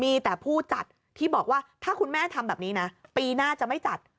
มีแต่ผู้จัดที่บอกว่าถ้าคุณแม่ทำแบบนี้นะปีหน้าจะไม่จัด